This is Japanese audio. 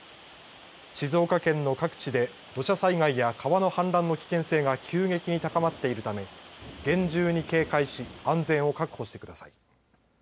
静岡県の各地で土砂災害や川の氾濫の危険性が急激に高まっているため厳重に警戒し安全を確保してください。